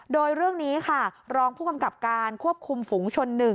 โดยเรื่องนี้ค่ะรองผู้กำกับการควบคุมฝุงชน๑